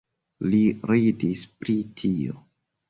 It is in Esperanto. Li ridis pri tio.